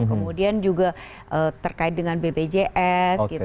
kemudian juga terkait dengan bpjs gitu